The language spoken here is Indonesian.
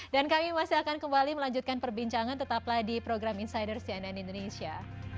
dan kami masih akan kembali melanjutkan perbincangan tetaplah di program insider cnn indonesia